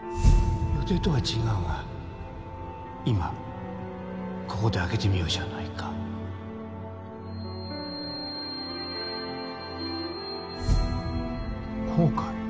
予定とは違うが今ここで開けてみようじゃないか後悔？